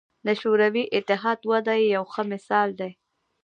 د شوروي اتحاد وده یې یو ښه مثال دی.